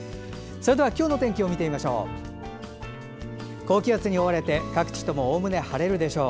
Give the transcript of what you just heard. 今日の天気を見てみましょう。